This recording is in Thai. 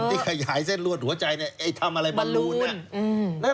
คนที่ขยายเส้นเลือดหัวใจเนี่ยทำอะไรบลูนเนี่ย